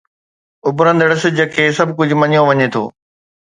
اڀرندڙ سج کي سڀ ڪجهه مڃيو وڃي ٿو.